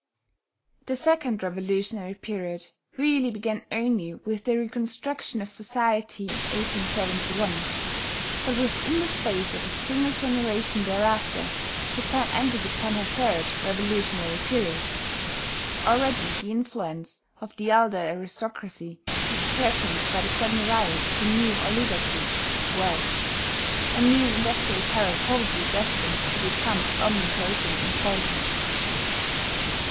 The second revolutionary period really began only with the reconstruction of society in 1871. But within the space of a single generation thereafter, Japan entered upon her third revolutionary period. Already the influence of the elder aristocracy is threatened by the sudden rise of a new oligarchy of wealth, a new industrial power probably destined to become omnipotent in politics.